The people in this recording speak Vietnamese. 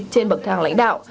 trên bậc thang lãnh đạo